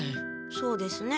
そうですね。